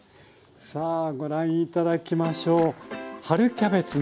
さあご覧頂きましょう。